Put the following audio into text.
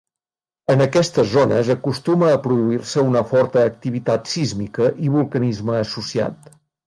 En aquestes zones acostuma a produir-se una forta activitat sísmica i vulcanisme associat.